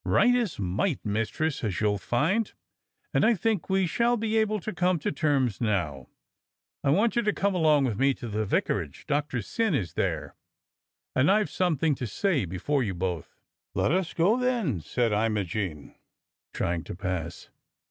"Right is might, Mistress, as you'll find, and I think we shall be able to come to terms now. I want you to come along with me to the vicarage; Doctor Syn is there, and I've something to say before you both." "Let us go, then," said Imogene, trying to pass.